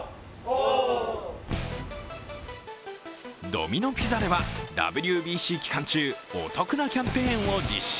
ドミノ・ピザではＷＢＣ期間中、お得なキャンペーンを実施。